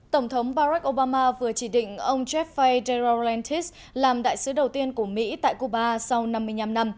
tổng thống barack obama vừa chỉ định ông jeff faye derogatis làm đại sứ đầu tiên của mỹ tại cuba sau năm mươi năm năm